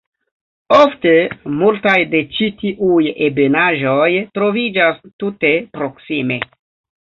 Ofte multaj de ĉi tiuj ebenaĵoj troviĝas tute proksime.